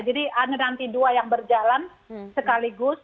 jadi ada nanti dua yang berjalan sekaligus